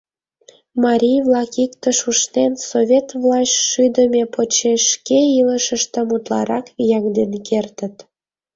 Марий-влак, иктыш ушнен, Совет власть шӱдымӧ почеш шке илышыштым утларак вияҥден кертыт.